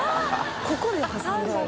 ここで挟んである。